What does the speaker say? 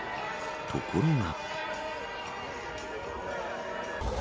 ところが。